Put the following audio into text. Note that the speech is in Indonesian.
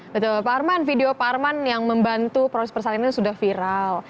betul pak arman video pak arman yang membantu proses persalinan sudah viral